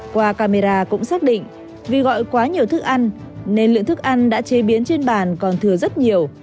qua camera cũng xác định vì gọi quá nhiều thức ăn nên lượng thức ăn đã chế biến trên bàn còn thừa rất nhiều